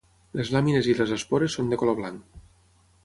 Les làmines i les espores són de color blanc.